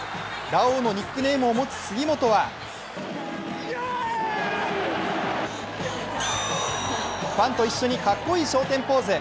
ラオウのニックネームを持つ杉本はファンと一緒にかっこいい昇天ポーズ。